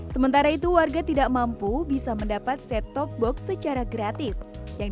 sementara itu warga tidak mampu bisa mendapat set top box secara gratis yang